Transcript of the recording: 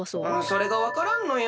それがわからんのよ。